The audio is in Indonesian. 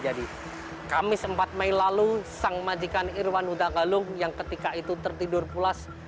jadi kamis empat mei lalu sang majikan irwan huda galung yang ketika itu tertidur pulas